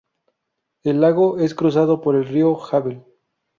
El lago es cruzado por el río Havel.